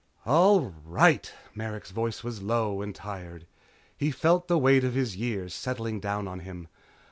"All right," Merrick's voice was low and tired. He felt the weight of his years settling down on him.